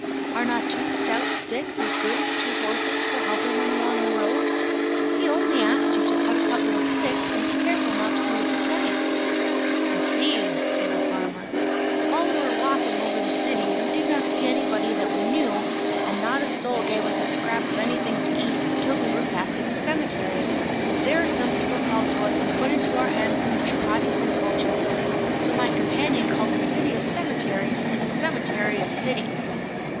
"Are not two stout sticks as good as two horses for helping one along on the road? He only asked you to cut a couple of sticks and be careful not to lose his knife." "I see," said the farmer. "While we were walking over the city we did not see anybody that we knew, and not a soul gave us a scrap of anything to eat, till we were passing the cemetery; but there some people called to us and put into our hands some chapatis and kulchas, so my companion called the city a cemetery, and the cemetery a city."